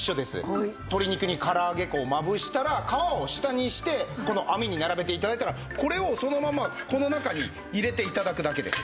鶏肉に唐揚げ粉をまぶしたら皮を下にしてこの網に並べて頂いたらこれをそのままこの中に入れて頂くだけです。